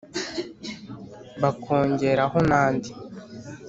bakongeraho n’andi